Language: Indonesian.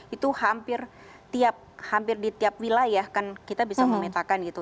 itu hampir di tiap wilayah kan kita bisa memetakan gitu